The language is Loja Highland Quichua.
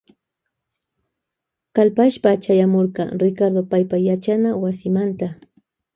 Kalpashpa chayamurka Ricardo paypa yachana wasimanta.